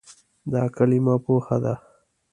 دا کلمه "پوهه" ده.